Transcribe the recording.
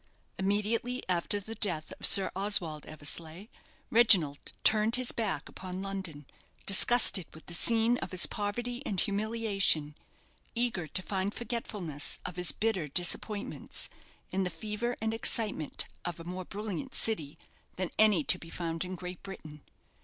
Immediately after the death of Sir Oswald Eversleigh, Reginald turned his back upon London, disgusted with the scene of his poverty and humiliation, eager to find forgetfulness of his bitter disappointments in the fever and excitement of a more brilliant city than any to be found in Great Britain.